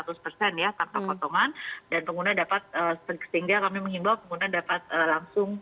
tanpa potongan dan pengguna dapat sehingga kami mengimbau pengguna dapat langsung